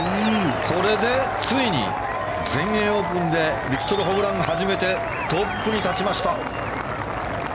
これでついに、全英オープンでビクトル・ホブラン初めてトップに立ちました。